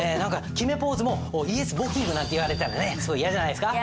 決めポーズも「ＹＥＳ簿記ｉｎｇ」なんて言われたらねすごい嫌じゃないですか。